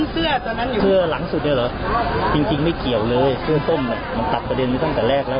เสื้อหลังสุดเนี่ยเหรอจริงไม่เกี่ยวเลยเสื้อส้มมันตัดประเด็นตั้งแต่แรกแล้ว